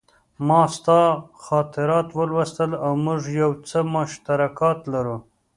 ما ستا خاطرات ولوستل او موږ یو څه مشترکات لرو